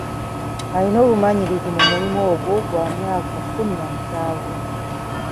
Alina obumanyirivu mu mulimu ogwo gwa myaka kkumi na musanvu.